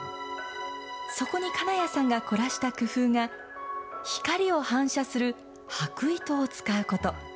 そこに金谷さんが凝らした工夫が、光を反射する箔糸を使うこと。